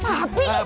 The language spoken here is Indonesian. eh pak abi